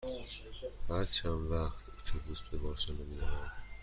هر چند وقت اتوبوس به بارسلونا می رود؟